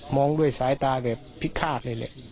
องด้วยสายตาแบบพิฆาตเลยแหละ